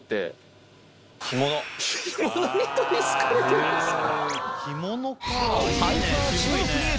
干物に取り憑かれてるんすか？